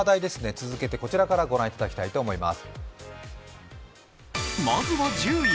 続けて、こちらから御覧いただきたいと思います。